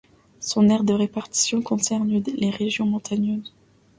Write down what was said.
Son aire de répartition concerne les régions montagneuses.